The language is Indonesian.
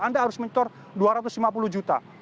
anda harus mentor dua ratus lima puluh juta